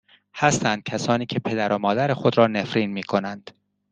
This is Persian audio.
هستند کسانی که پدر و مادر خود را نفرین میکنند